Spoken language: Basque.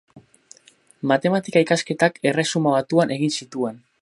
Matematika ikasketak Erresuma batuan egin zituen.